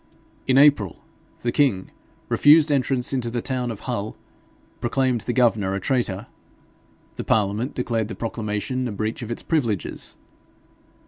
In April, the king, refused entrance into the town of Hull, proclaimed the governor a traitor. The parliament declared the proclamation a breach of its privileges.